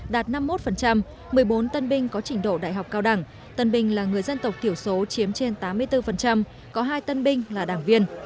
đạt năm mươi một một mươi bốn tân binh có trình độ đại học cao đẳng tân binh là người dân tộc thiểu số chiếm trên tám mươi bốn có hai tân binh là đảng viên